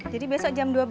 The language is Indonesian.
jadi besok jam dua